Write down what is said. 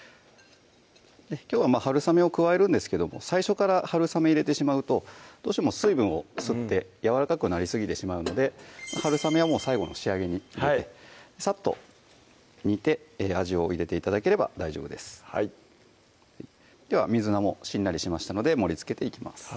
きょうははるさめを加えるんですけども最初からはるさめ入れてしまうとどうしても水分を吸ってやわらかくなりすぎてしまうのではるさめはもう最後の仕上げに入れてさっと煮て味を入れて頂ければ大丈夫ですでは水菜もしんなりしましたので盛りつけていきます